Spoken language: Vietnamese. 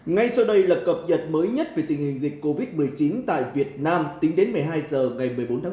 ngay sau đây là cập nhật mới nhất về tình hình dịch covid một mươi chín tại việt nam tính đến một mươi hai h ngày một mươi bốn tháng một mươi